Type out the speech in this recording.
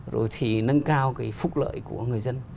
rồi thì nâng cao cái phúc lợi của người dân